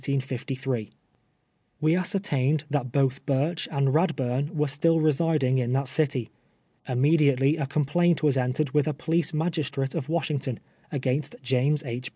We ascertained that both Ijurch and riadl)urn were still residing in that city. lunuediately a complaint was entered with a police magistrate of Washington, against James II.